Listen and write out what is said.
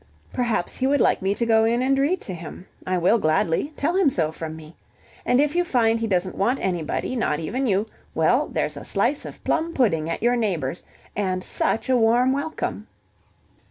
Perhaps he would like me to go in and read to him. I will gladly. Tell him so from me. And if you find he doesn't want anybody, not even you, well, there's a slice of plum pudding at your neighbour's, and such a warm welcome."